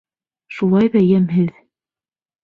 Шулай ҙа йәмһеҙ.